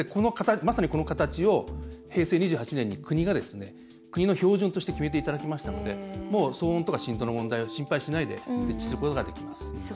まさに、この形を平成２８年に国が国の標準として決めていただきましたので騒音とか振動の問題は心配しないで設置することができます。